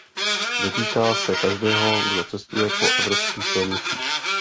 Dotýká se každého, kdo cestuje po evropských silnicích.